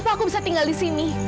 kenapa aku bisa tinggal disini